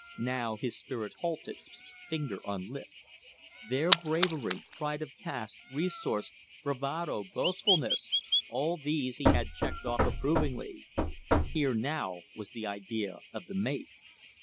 Now his spirit halted, finger on lip. Their bravery, pride of caste, resource, bravado, boastfulness, all these he had checked off approvingly. Here now was the idea of the Mate.